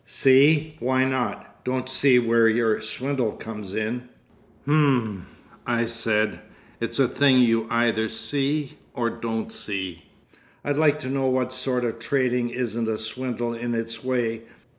See? Why not? don't see where your swindle comes in." "H'm," I said. "It's a thing you either see or don't see." "I'd like to know what sort of trading isn't a swindle in its way.